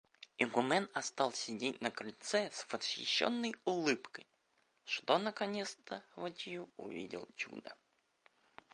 Игумен остался сидеть на крыльце с восхищенной улыбкой, что наконец-то воочию увидел чудо.